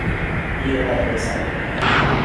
I rara vez habla.